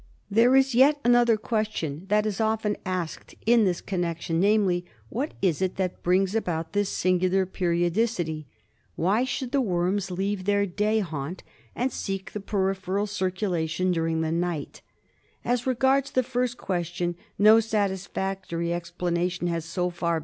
There is yet another question that is often asked in this connection, namely, what is it that brings about this singular periodicity ? Why should the worms leave their day haunt and seek the peripheral circulation during the night ? As regards the first question no satisfactory explana tion has so far.